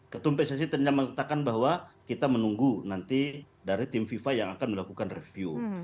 ketum pssi ternyata mengatakan bahwa kita menunggu nanti dari tim fifa yang akan melakukan review